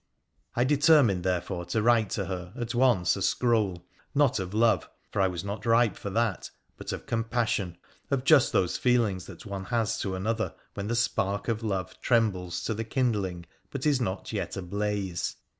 I determined, therefore, to write to her at once a scroll, not of love — for I was not ripe for that — but of compassion — of just those feelings that one has to another when the spark of love trembles to the kindling but is not yet ablaze.